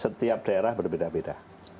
setiap daerah berbeda beda